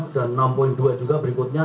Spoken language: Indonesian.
enam poin dua juga berikutnya